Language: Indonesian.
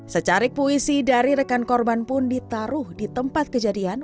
secarik puisi dari rekan korban pun ditaruh di tempat kejadian